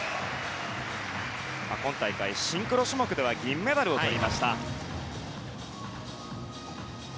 今大会、シンクロ種目では銀メダルを取りました。